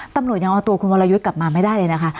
ตำรวจยังเอาตัวคุณวรยุทธ์กลับมาไม่ได้เลยนะคะ